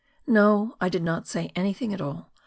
No, I did not say anything at all.